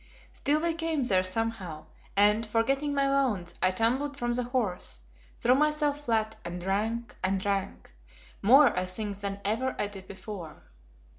Still we came there somehow, and, forgetting my wounds, I tumbled from the horse, threw myself flat and drank and drank, more, I think, than ever I did before.